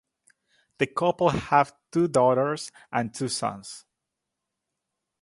The couple have two daughters and two sons.